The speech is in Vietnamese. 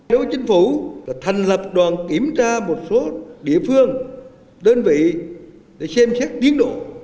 nếu chính phủ thành lập đoàn kiểm tra một số địa phương đơn vị để xem xét tiến độ